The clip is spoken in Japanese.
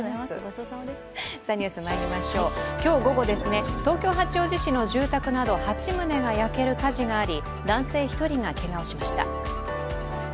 今日午後、東京・八王子市の住宅など８棟が焼ける火事があり男性１人がけがをしました。